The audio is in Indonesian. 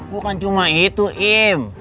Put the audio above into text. bukan cuma itu im